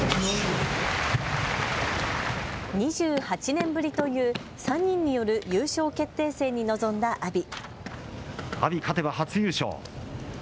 ２８年ぶりという３人による優勝決定戦に臨んだ阿炎。